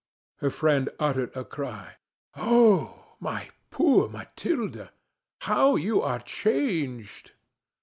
Her friend uttered a cry. "Oh, my poor Mathilde! How you are changed!"